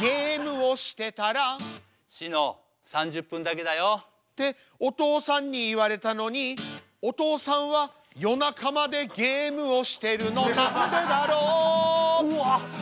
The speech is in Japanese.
ゲームをしてたらしの３０分だけだよ。ってお父さんに言われたのにお父さんは夜中までゲームをしてるのなんでだろううわ！